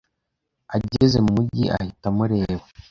Ageze mu mujyi, ahita amureba.